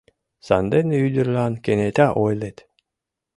Сандене ӱдырлан кенета ойлет: